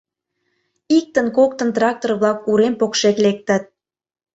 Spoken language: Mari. Иктын-коктын трактор-влак урем покшек лектыт.